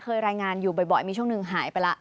รายงานอยู่บ่อยมีช่วงหนึ่งหายไปแล้ว